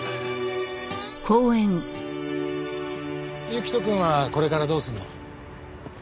行人くんはこれからどうするの？